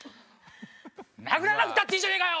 殴らなくたっていいじゃねえかよ！